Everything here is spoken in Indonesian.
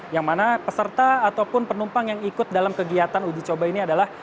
yang mana peserta ataupun penumpang yang ikut dalam kegiatan uji coba ini adalah